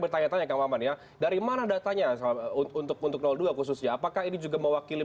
bertanya tanya kang maman ya dari mana datanya untuk dua khususnya apakah ini juga mewakili